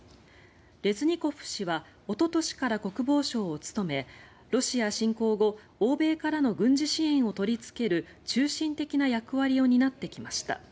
レズニコフ氏はおととしから国防相を務めロシア侵攻後欧米からの軍事支援を取りつける中心的な役割を担ってきました。